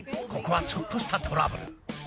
ここはちょっとしたトラブル。